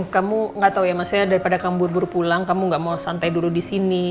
kamu nggak tahu ya maksudnya daripada kabur buru pulang kamu nggak mau santai dulu di sini